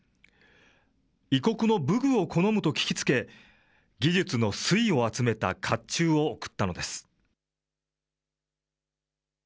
異国の武具を好むと聞きつけ、技術の粋を集めたかっちゅうを贈ったのです。